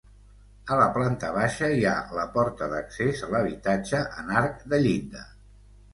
A la planta baixa, hi ha la porta d'accés a l'habitatge en arc de llinda.